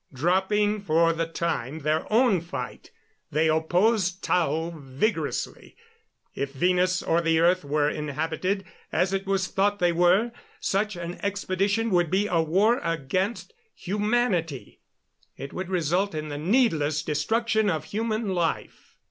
Dropping for the time their own fight, they opposed Tao vigorously. If Venus or the earth were inhabited, as it was thought they were, such an expedition would be a war against humanity. It would result in the needless destruction of human life.